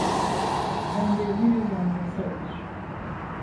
Ben de yeni uyandım sayılır.